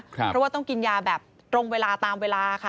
เพราะว่าต้องกินยาแบบตรงเวลาตามเวลาค่ะ